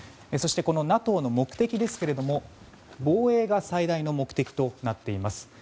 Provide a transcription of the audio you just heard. そして、ＮＡＴＯの目的ですけど防衛が最大の目的となっています。